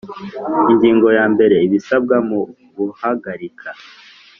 Ingingo ya mbere Ibisabwa mu guhagarika